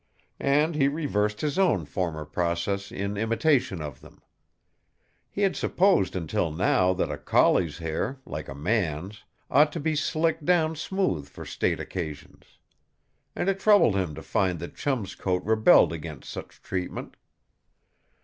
And he reversed his own former process in imitation of them. He had supposed until now that a collie's hair, like a man's, ought to be slicked down smooth for state occasions. And it troubled him to find that Chum's coat rebelled against such treatment.